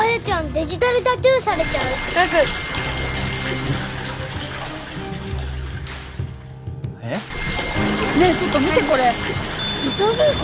デジタルタトゥーされちゃう早くえっ？ねえちょっと見てこれ・偽装夫婦？